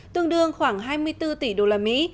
tương đương khoảng hai mươi bốn tỷ đô la mỹ